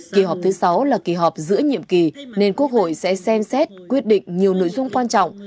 kỳ họp thứ sáu là kỳ họp giữa nhiệm kỳ nên quốc hội sẽ xem xét quyết định nhiều nội dung quan trọng